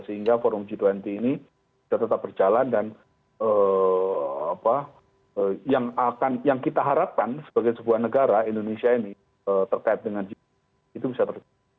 sehingga forum g dua puluh ini sudah tetap berjalan dan yang kita harapkan sebagai sebuah negara indonesia ini terkait dengan g dua puluh itu bisa terjadi